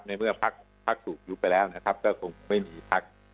ในเมื่อพักถูกยุบไปแล้วนะครับก็คงไม่มีพัก